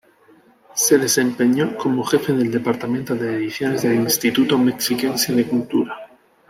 Se desempeñó como Jefe del Departamento de ediciones del Instituto Mexiquense de Cultura.